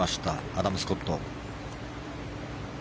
アダム・スコット。